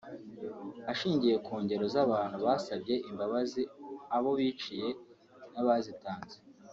Ashingiye ku ngero z’abantu basabye imbabazi abo biciye n’abazitanze